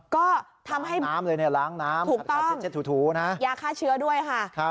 ก็ทำให้ถูกต้องยาฆ่าเชื้อด้วยค่ะทำให้ล้างน้ำเลยเนี่ยล้างน้ำขัดขาดเจ็ดถูนะ